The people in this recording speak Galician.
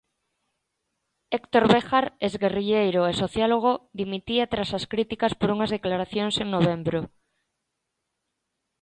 Héctor Béjar, exguerrilleiro e sociólogo, dimitía tras as críticas por unhas declaracións en novembro.